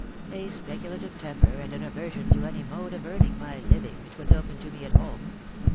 " A speculative temper, and an aversion to any mode of earning my living which was open to me at home.